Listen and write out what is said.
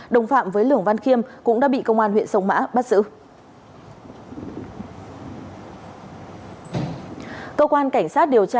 đồng phạm với lường văn khiêm cũng đã bị công an huyện sông mã bắt giữ